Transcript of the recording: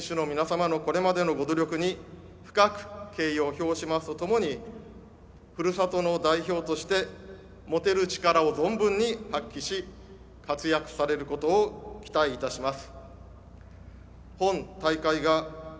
本大会に参加される選手の皆様のこれまでの努力に敬意を評しふるさとの代表として持てる力を存分に発揮し活躍されることを期待いたします。